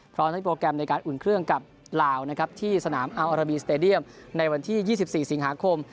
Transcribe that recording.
พร้อมทั้งโปรแกรมในการอุ่นเครื่องกับลาวนะครับที่สนามอัลอาราบีสเตดียมในวันที่๒๔สิงหาคม